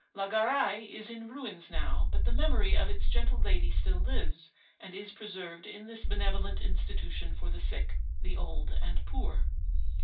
La Garaye is in ruins now, but the memory of its gentle lady still lives, and is preserved in this benevolent institution for the sick, the old, and poor.